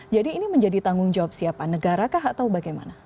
jadi ini menjadi tanggung jawab siapa negara kah atau bagaimana